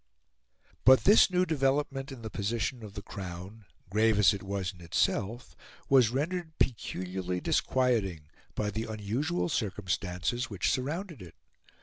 But this new development in the position of the Crown, grave as it was in itself, was rendered peculiarly disquieting by the unusual circumstances which surrounded it.